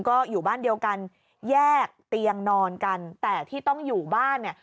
ก็อยู่บ้านเดียวกันแยกเตียงนอนกันแต่ที่ต้องอยู่บ้านเนี่ย